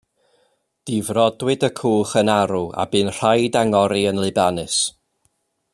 Difrodwyd y cwch yn arw a bu'n rhaid angori yn Libanus.